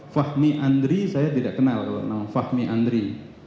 fahmi andri saya tidak kenal kalau nama fahmi andri